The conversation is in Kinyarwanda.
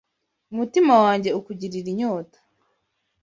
Umutima wanjye ukugirira inyota